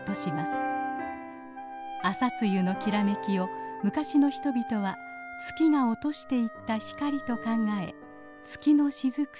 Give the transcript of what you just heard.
朝露のきらめきを昔の人々は月が落としていった光と考え「月の雫」と呼んだのです。